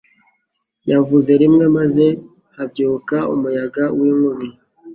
Yavuze rimwe maze habyuka umuyaga w’inkubi